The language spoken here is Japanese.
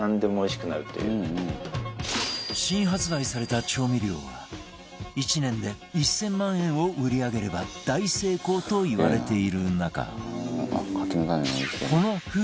新発売された調味料は１年で１０００万円を売り上げれば大成功といわれている中このふ